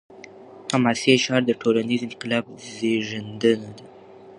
حماسي اشعار د ټولنیز انقلاب زیږنده دي.